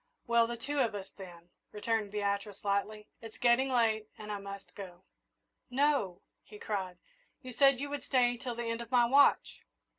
"Well, the two of us, then," returned Beatrice, lightly. "It's getting late, and I must go." "No!" he cried. "You said you would stay till the end of my watch!"